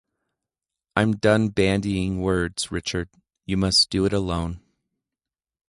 I'm done bandying words, Richard. You must do it alone.